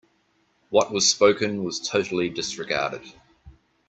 What was spoken was totally disregarded.